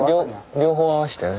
両方合わしてね。